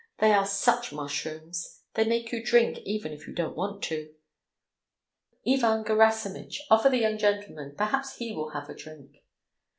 ... They are such mushrooms, they make you drink even if you don't want to. Ivan Gerasimitch, offer the young gentleman, perhaps he will have a drink!"